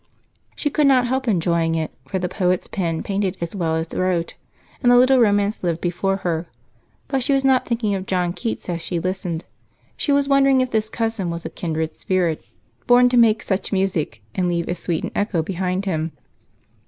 She could not help enjoying it, for the poet's pen painted as well as wrote, and the little romance lived before her, but she was not thinking of John Keats as she listened; she was wondering if this cousin was a kindred spirit, born to make such music and leave as sweet an echo behind him.